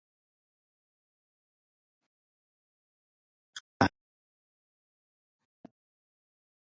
Qaraqa runapam ñataq uywakunapa, chaywanmi kurkuta amachakunku.